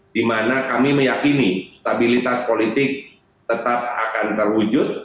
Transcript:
di mana kami meyakini stabilitas politik tetap akan terwujud